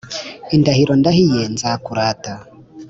indahiro ndahiye nzakurata